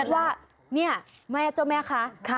ว่าเนี่ยเจ้าแม่ค่ะ